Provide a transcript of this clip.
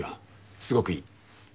すごくいい。